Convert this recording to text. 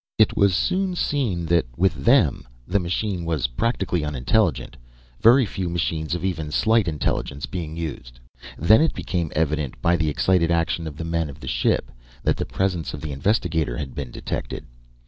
It was soon seen that with them the machine was practically unintelligent, very few machines of even slight intelligence being used. Then it became evident by the excited action of the men of the ship, that the presence of the investigator had been detected.